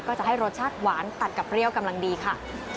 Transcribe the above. ก็จะให้รสชาติหวานตัดกับเปรี้ยวกำลังดีค่ะ